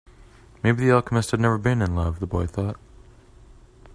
Maybe the alchemist has never been in love, the boy thought.